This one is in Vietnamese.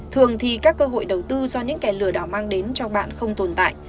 thường thì các cơ hội đầu tư do những kẻ lừa đảo mang đến cho bạn không tồn tại